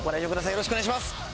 よろしくお願いします！